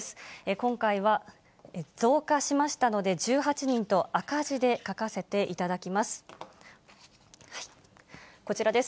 今回は増加しましたので、１８人と赤字で書かせていただきます。